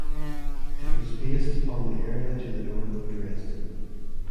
It was based upon the area to the north of Dresden.